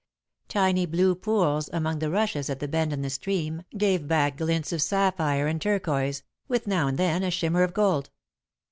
Tiny blue pools among the rushes at the bend in the stream gave back glints of sapphire and turquoise, with now and then a glimmer of gold.